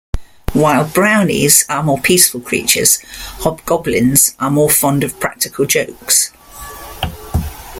While brownies are more peaceful creatures, hobgoblins are more fond of practical jokes.